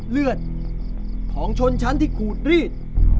เลือดของชนชั้นที่ขูดรีด